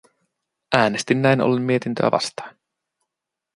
Äänestin näin ollen mietintöä vastaan.